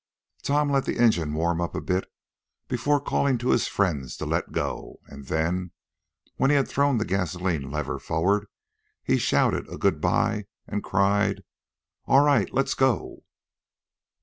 Tom let the engine warm up a bit before calling to his friends to let go, and then, when he had thrown the gasolene lever forward, he shouted a good by and cried: "All right! Let go!"